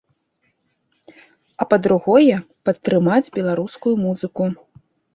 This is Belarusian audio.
А па-другое, падтрымаць беларускую музыку.